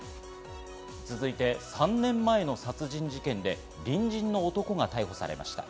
続いて３年前の殺人事件で隣人の男が逮捕されました。